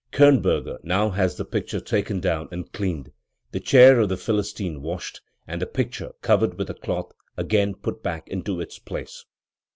Kirnberger now has the picture taken down and cleaned, the chair of the Philistine washed, and the picture, covered with a cloth, again put back into its place.